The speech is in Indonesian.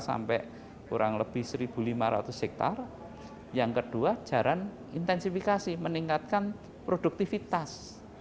sampai kurang lebih satu lima ratus hektare yang kedua jaran intensifikasi meningkatkan produktivitas